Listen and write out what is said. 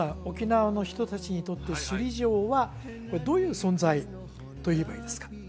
沖縄の人達にとって首里城はこれどういう存在と言えばいいですか？